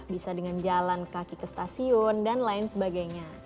bisa dengan jalan kaki ke stasiun dan lain sebagainya